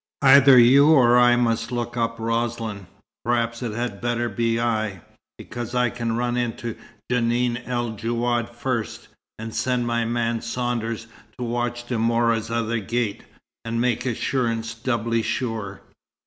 Either you or I must now look up Roslin. Perhaps it had better be I, because I can run into Djenan el Djouad first, and send my man Saunders to watch De Mora's other gate, and make assurance doubly sure."